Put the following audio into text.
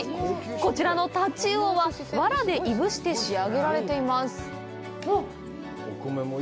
こちらの太刀魚は、ワラでいぶして仕上げられています。